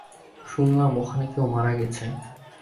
শুনলাম ওখানে কেউ মারা গেছে।